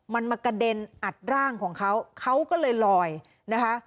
มันมากระเด็นอัดร่างของเขาเขาก็เลยลอยนะคะ